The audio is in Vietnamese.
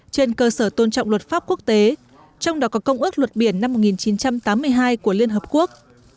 trên cơ sở tôn trọng luật pháp quốc tế trong đó có công ước luật biển năm một nghìn chín trăm tám mươi hai của liên hợp quốc